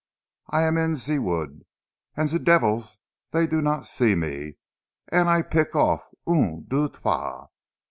I am in zee wood, an' zee divils they do not see me, an' I pick off un, deux, trois!